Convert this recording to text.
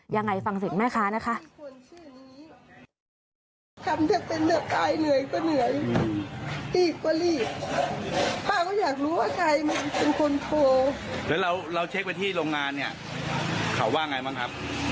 ยังไงฟังสิทธิ์ไหมคะนะคะ